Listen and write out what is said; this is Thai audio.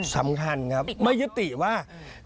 สำคัญครับไม่ยุติว่า